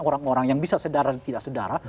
orang orang yang bisa sedara dan tidak sedara